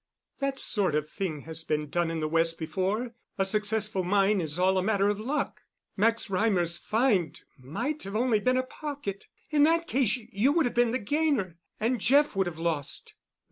"That sort of thing has been done in the West before. A successful mine is all a matter of luck. Max Reimer's find might have only been a pocket. In that case you would have been the gainer, and Jeff would have lost."